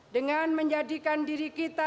dengan menjadikan diri kita